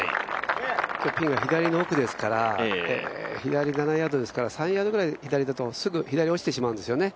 今日、ピンが左の奥ですから左７ヤードですから３ヤードくらい左ですと、すぐ左落ちてしまうんですよね。